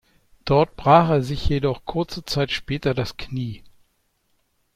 Dort brach er sich jedoch kurze Zeit später das Knie.